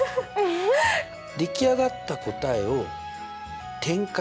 出来上がった答えを展開する。